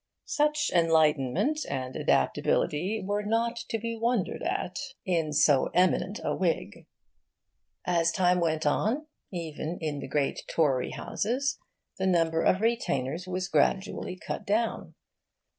Such enlightenment and adaptability were not to be wondered at in so eminent a Whig. As time went on, even in the great Tory houses the number of retainers was gradually cut down.